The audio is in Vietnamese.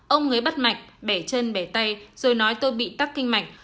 ông ngới bắt mạch bẻ chân bẻ tay rồi nói tôi bị tắc kinh mạch